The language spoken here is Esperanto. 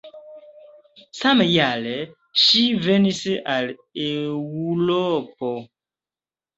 Samjare ŝi venis al Eŭropo.